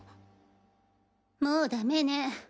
もうダメね。